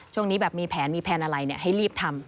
ช่วงนี้แบบมีแผนมีแผนอะไรให้รีบทำ